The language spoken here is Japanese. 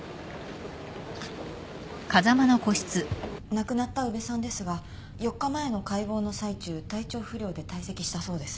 亡くなった宇部さんですが４日前の解剖の最中体調不良で退席したそうです。